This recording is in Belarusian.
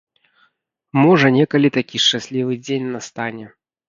Можа, некалі такі шчаслівы дзень настане.